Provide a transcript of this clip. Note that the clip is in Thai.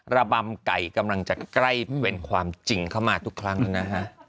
ระบำไก่กำลังจะใกล้เป็นความจริงเข้ามาทุกครั้งนะฮะ